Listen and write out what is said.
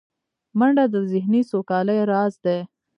منډه د ذهني سوکالۍ راز دی